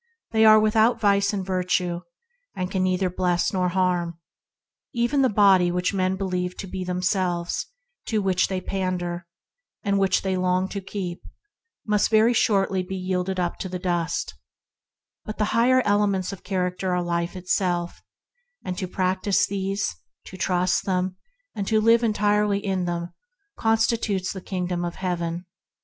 They are without vice and virtue and can neither bless nor harm. Even the body which men believe to be themselves, to which they pander, and which they long to keep, is constantly being yielded up to the dust, it is ever changing. But the higher elements of character are life itself; and to practise these, to trust them, and to live entirely in them, constitute the Kingdom of Heaven.